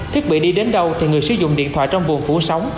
thiết bị đi đến đâu thì người sử dụng điện thoại trong vùng phủ sóng